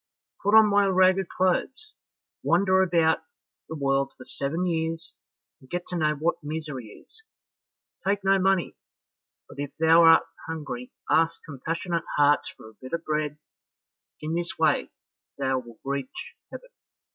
Put on my ragged clothes, wander about the world for seven years, and get to know what misery is, take no money, but if thou art hungry ask compassionate hearts for a bit of bread; in this way thou wilt reach heaven."